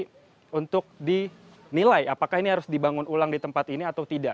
tapi untuk dinilai apakah ini harus dibangun ulang di tempat ini atau tidak